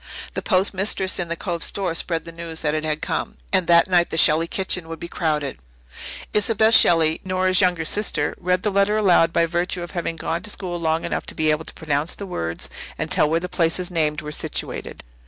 The post mistress in the Cove store spread the news that it had come, and that night the Shelley kitchen would be crowded. Isobel Shelley, Nora's younger sister, read the letter aloud by virtue of having gone to school long enough to be able to pronounce the words and tell where the places named were situated.